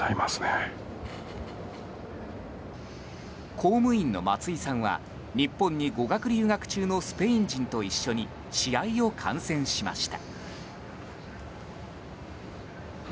公務員の松井さんは日本に語学留学中のスペイン人と一緒に試合を観戦しました。